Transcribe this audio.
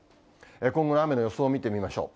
今後の雨の予想を見てみましょう。